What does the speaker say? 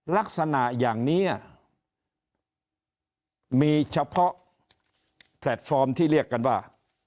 ลักษณะอย่างนี้มีเฉพาะแพลตฟอร์มที่เรียกกันว่า